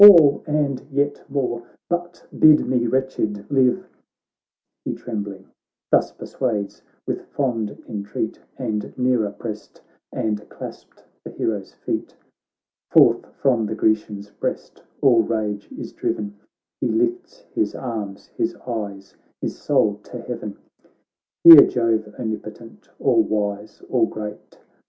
All, and yet more, but bid me, wretched, live I ' He trembling, thus persuades with fond entreat And nearer pressed, and clasped the hero's feet. Forth from the Grecian's breast all rage is driven, He lifts his arms, his eyes, his soul to heaven. ' Hear, Jove omnipotent, all wise, all great.